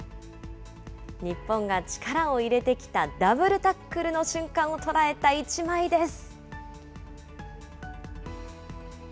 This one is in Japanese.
日本が力を入れてきたダブルタックルの瞬間を捉えた一枚です。